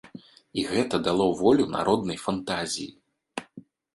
І гэта дало волю народнай фантазіі.